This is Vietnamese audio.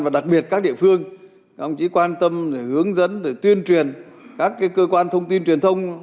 và đặc biệt các địa phương ông chỉ quan tâm hướng dẫn tuyên truyền các cơ quan thông tin truyền thông